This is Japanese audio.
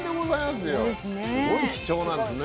すごい貴重なんですね。